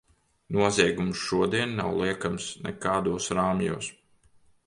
Noziegums šodien nav liekams nekādos rāmjos.